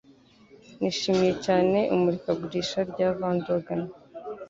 Nishimiye cyane imurikagurisha rya Van Dorgen.